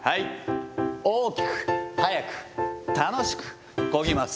大きく速く楽しくこぎます。